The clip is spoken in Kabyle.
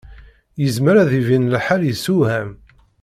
Yezmer ad d-ibin lḥal yessewham.